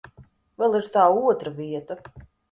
Vēl ir tā otra vieta.